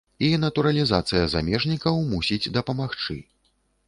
І натуралізацыя замежнікаў мусіць дапамагчы.